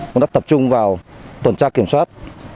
cũng đã tập trung vào tuần tra kiểm soát